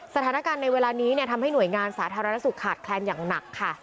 สถานการณ์ในเวลานี้ทำให้หน่วยงานสาธารณสุขขาดแคลนอย่างหนักค่ะ